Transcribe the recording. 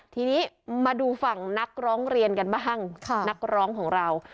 ทีนี้มาดูฝั่งนักร้องเรียนกันบ้างนักร้องของเรา